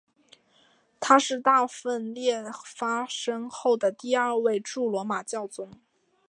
他是大分裂发生后第二位驻罗马的教宗。